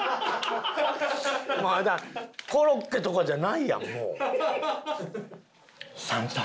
コロッケとかじゃないやんもう。